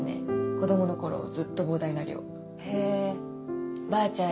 子どものころずっと膨大な量へえーばあちゃん